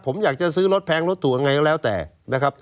ผมอยากจะซื้อรถแพงรถถูกยังไงก็แล้วแต่นะครับ